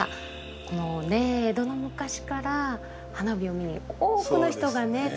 このねえ江戸の昔から花火を見に多くの人がね詰めかけたと。